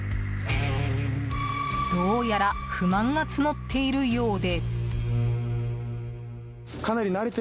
どうやら不満が募っているようで。